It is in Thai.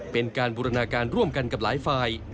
เป็นการบูรณาการร่วมกันกับหลายฝ่าย